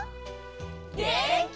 げんき！